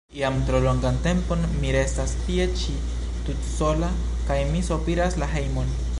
Jam tro longan tempon mi restas tie ĉi tutsola, kaj mi sopiras la hejmon.”